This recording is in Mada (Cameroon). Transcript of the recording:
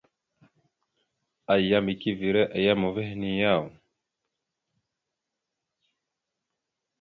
Ayyam eke evere a yam ava henne yaw ?